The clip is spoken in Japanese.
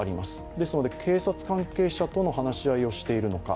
ですので警察関係者との話し合いをしているのか。